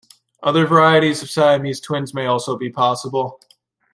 Other varieties of Siamese twins may also be possible.